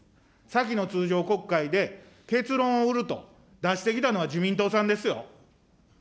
先の通常国会で結論を得ると、出してきたのは自民党さんですよ。